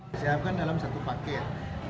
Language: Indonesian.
disiapkan dalam satu paket